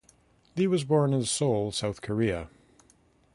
Lee was born in Seoul, South Korea.